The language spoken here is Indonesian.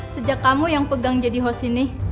sejak kamu yang pegang jadi host ini